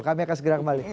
kami akan segera kembali